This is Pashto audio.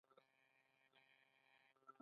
دا بدلون باید قومي غوښتنو لپاره نه وي.